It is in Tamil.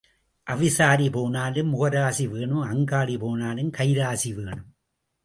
அவிசாரி போனாலும் முகராசி வேணும் அங்காடி போனாலும் கைராசி வேணும்.